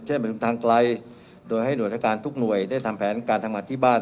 มันเป็นทางไกลโดยให้หน่วยรายการทุกหน่วยได้ทำแผนการทำงานที่บ้าน